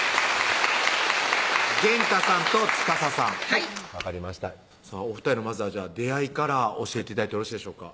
源太さんとつかささんはい分かりましたお２人のまずは出会いから教えて頂いてよろしいでしょうか